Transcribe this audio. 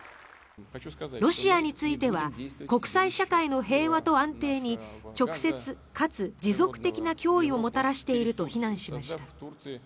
ロシアについては国際社会の平和と安定に直接かつ持続的な脅威をもたらしていると非難しました。